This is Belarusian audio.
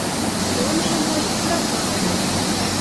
Дом жа мой прапаў.